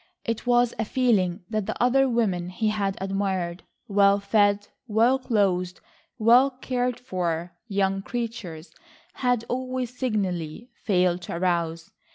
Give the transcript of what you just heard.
It was a feeling that the other women he had admired—well fed, well clothed, well cared for young creatures—had always signally failed to arouse.